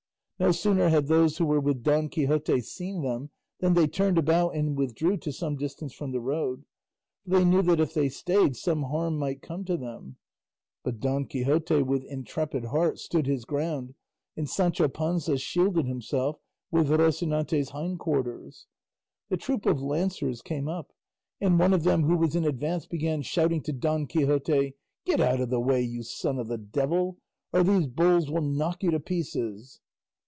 No sooner had those who were with Don Quixote seen them than they turned about and withdrew to some distance from the road, for they knew that if they stayed some harm might come to them; but Don Quixote with intrepid heart stood his ground, and Sancho Panza shielded himself with Rocinante's hind quarters. The troop of lancers came up, and one of them who was in advance began shouting to Don Quixote, "Get out of the way, you son of the devil, or these bulls will knock you to pieces!"